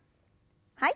はい。